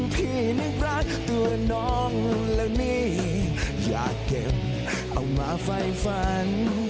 พี่นึกรักตัวน้องและนี่อยากเก็บเอามาไฟฝัน